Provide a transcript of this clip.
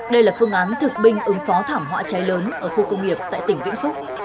đây là phương án thực binh ứng phó thảm họa cháy lớn ở khu công nghiệp tại tỉnh vĩnh phúc